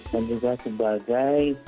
dan juga sebagai